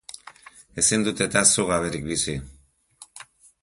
Ezin dut-eta zu gaberik bizi...